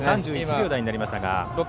３１秒台になりましたが。